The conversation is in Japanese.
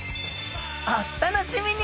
お楽しみに！